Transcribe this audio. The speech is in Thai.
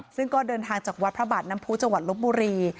ซึ่งก็เดินทางจากวัดพระบาทน้ำผู้จังหวัดลบบุรี